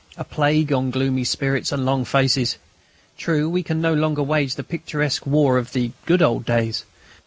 A plague on gloomy spirits and long faces! True, we can no longer wage the picturesque war of the "good old days."